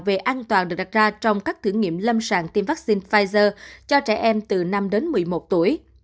về an toàn được đặt ra trong các thử nghiệm lâm sàng tiêm vaccine pfizer cho trẻ em từ năm đến một mươi một tuổi